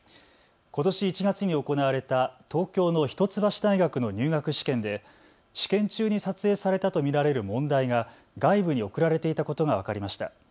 ことし１月に行われた東京の一橋大学の入学試験で試験中に撮影されたと見られる問題が外部に送られていたことが分かりました。